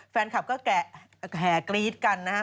แฟนคลับก็แกะกรี๊ดกันนะ